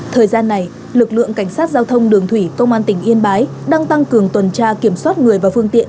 thời gian này lực lượng cảnh sát giao thông đường thủy công an tỉnh yên bái đang tăng cường tuần tra kiểm soát người và phương tiện